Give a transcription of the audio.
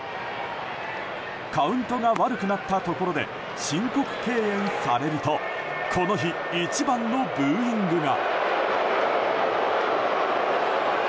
カウントが悪くなったところで申告敬遠されるとこの日、一番のブーイングが。